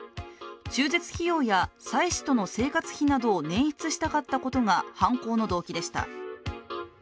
中絶費用や妻子との生活費などを捻出したかったことが犯行の動機でした。